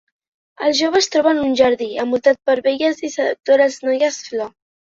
El jove es troba en un jardí, envoltat per belles i seductores noies-flor.